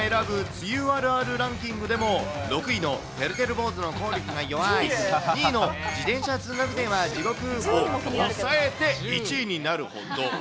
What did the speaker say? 梅雨あるあるランキングでも、６位のてるてる坊主の効力が弱い、２位の自転車通学勢は地獄をおさえて１位になるほど。